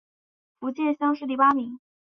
福建乡试第八名。